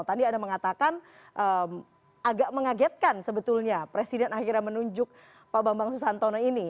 tadi anda mengatakan agak mengagetkan sebetulnya presiden akhirnya menunjuk pak bambang susantono ini